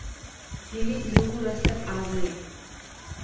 Nejvíc druhů roste v Asii.